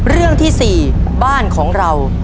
เรื่องที่๔บ้านของเรา